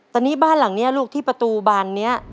ตอนนี้บ้านหลังนี้ลูกที่ประตูบานนี้